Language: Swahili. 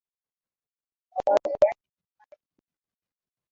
Mawazo yake ni makuu.